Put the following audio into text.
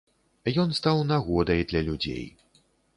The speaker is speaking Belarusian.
Ён стаў нагодай для людзей.